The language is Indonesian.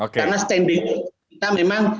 karena standing position kita memang